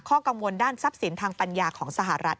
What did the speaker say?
กังวลด้านทรัพย์สินทางปัญญาของสหรัฐ